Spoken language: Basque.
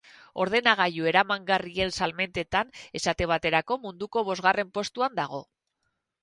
Ordenagailu eramangarrien salmentetan, esate baterako, munduko bosgarren postuan dago.